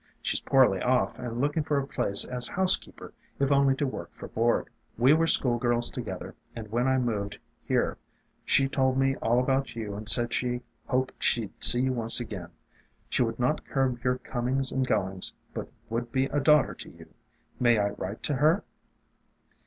She 's poorly off, and looking for a place as housekeeper, if only to work for board. We were school girls together, and when I moved here she told me all about you and said she hoped she 'd see you once again. She would not curb your comings and goings, but would be a daughter to you. May I write to her?'